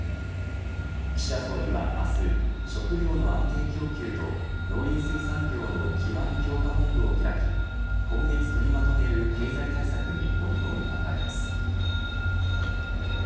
岸田総理は明日食料の安定供給と農林水産業の基盤強化本部を開き今月取りまとめる経済対策に盛り込む考えです。